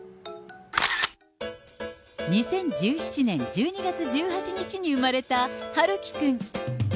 ２０１７年１２月１８日に生まれた陽喜くん。